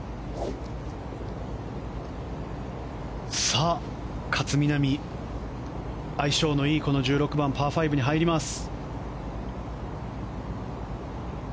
さあ、勝みなみ相性のいい１６番、パー５に入ります。